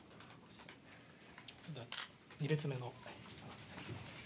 ２列目の。